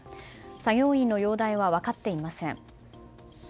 作業員の容体は分かっていません。